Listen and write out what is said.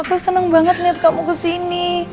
aku seneng banget liat kamu kesini